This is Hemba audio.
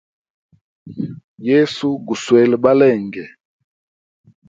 Yesu guswele balenge.